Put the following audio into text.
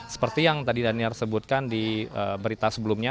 seperti yang tadi daniel sebutkan di berita sebelumnya